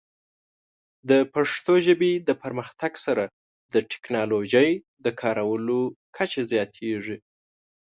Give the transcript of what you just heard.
د پښتو ژبې د پرمختګ سره، د ټیکنالوجۍ د کارولو کچه زیاتېږي.